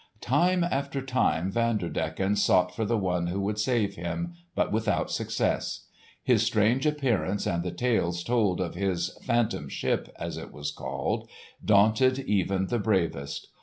Time after time Vanderdecken sought for the one who would save him, but without success. His strange appearance and the tales told of his "Phantom Ship," as it was called, daunted even the bravest.